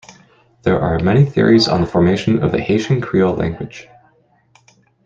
There are many theories on the formation of the Haitian Creole language.